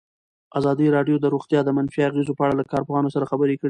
ازادي راډیو د روغتیا د منفي اغېزو په اړه له کارپوهانو سره خبرې کړي.